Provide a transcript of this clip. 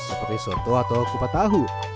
seperti soto atau kupat tahu